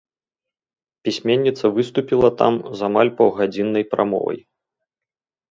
Пісьменніца выступіла там з амаль паўгадзіннай прамовай.